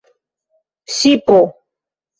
ŝipo